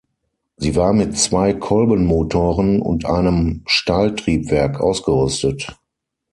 Sie war mit zwei Kolbenmotoren und einem Strahltriebwerk ausgerüstet.